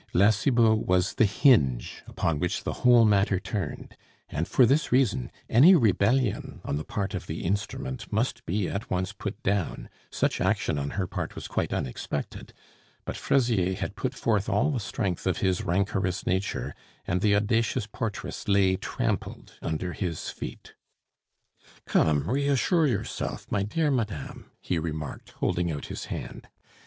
La Cibot was the hinge upon which the whole matter turned; and for this reason, any rebellion on the part of the instrument must be at once put down; such action on her part was quite unexpected; but Fraisier had put forth all the strength of his rancorous nature, and the audacious portress lay trampled under his feet. "Come, reassure yourself, my dear madame," he remarked, holding out his hand.